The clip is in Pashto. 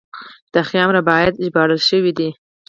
د خیام رباعیات ژباړل شوي دي.